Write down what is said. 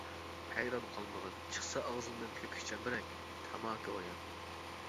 ھەيران قالمىغىن چىقسا ئاغزىمدىن كۆكۈچ چەمبىرەك، تاماكا بايان.